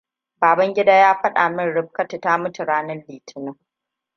Babangida ya faɗa min Rifkatu ta mutu ranar Litinin.